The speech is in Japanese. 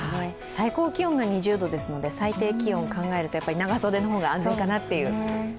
最高気温が２０度ですので最低気温を考えるとやっぱり長袖の方が安全かなと。